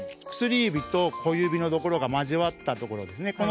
薬指と小指のところが交わったところですね。